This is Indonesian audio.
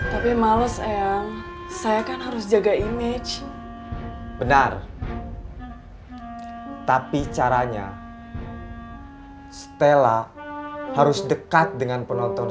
tapi males eyang saya kan harus jaga image benar tapi caranya stella harus dekat dengan penonton